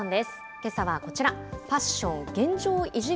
けさはこちら。